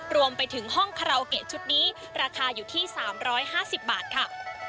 รวมไปถึงห้องคาราโอเกะชุดนี้ราคาอยู่ที่๓๕๐บาทค่ะ